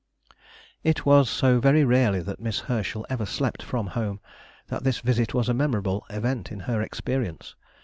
It was so very rarely that Miss Herschel ever slept from home, that this visit was a memorable event in her experience.